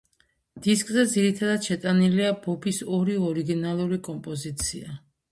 დისკზე ძირითადად შეტანილია ბობის ორი ორიგინალური კომპოზიცია.